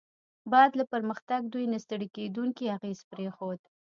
بعد له پرمختګ، دوی نه ستړي کیدونکی اغېز پرېښود.